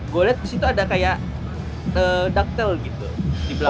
gue liat disitu ada kayak ductile gitu